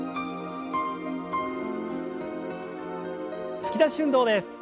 突き出し運動です。